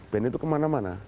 band itu kemana mana